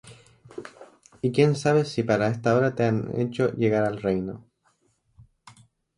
¿Y quién sabe si para esta hora te han hecho llegar al reino?